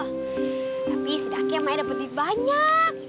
tapi sedangnya maya dapet lebih banyak